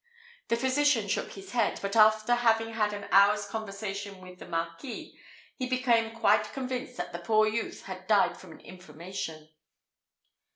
The physician shook his head; but after having had an hour's conversation with the marquis, he became quite convinced that the poor youth had died of an inflammation.